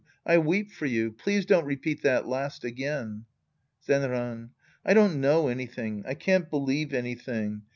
I weep for you. Please don't repeat that last again. Zenran. I don't know anything. I can't believe anything.